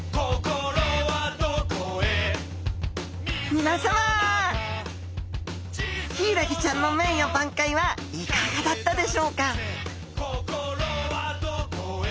皆さまヒイラギちゃんの名誉挽回はいかがだったでしょうか？